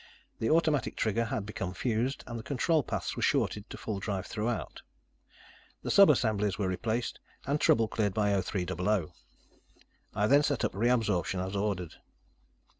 The automatic trigger had become fused, and the control paths were shorted to full drive throughout. The sub assemblies were replaced and trouble cleared by 0300. I then set up re absorption as ordered.